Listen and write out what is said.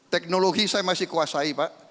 teknologi saya masih kuasai pak